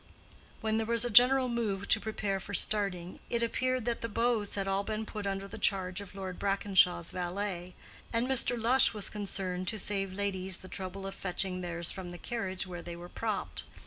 When there was a general move to prepare for starting, it appeared that the bows had all been put under the charge of Lord Brackenshaw's valet, and Mr. Lush was concerned to save ladies the trouble of fetching theirs from the carriage where they were propped.